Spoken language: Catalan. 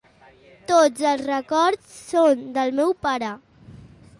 Tots els records són del meu pare.